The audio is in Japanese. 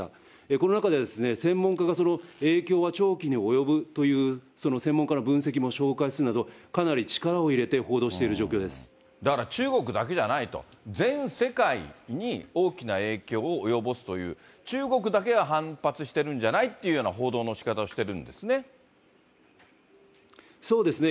この中では専門家がその影響は長期に及ぶという、専門家の分析も紹介するなど、かなり力を入れて報道している状況だから中国だけじゃないと、全世界に大きな影響を及ぼすという、中国だけが反発してるんじゃないっていうような報道のしかたをしそうですね。